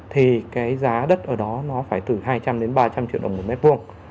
thì giá đất ở đó phải từ hai trăm linh ba trăm linh triệu đồng một mét vuông